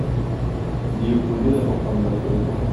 Дию күлне дә, баканы да күрә.